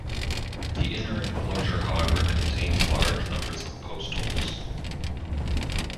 The inner enclosure however contained large numbers of postholes.